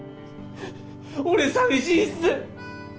俺寂しいっす！